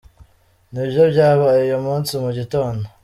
Nibyo byabaye uyu munsi mu gitondo.”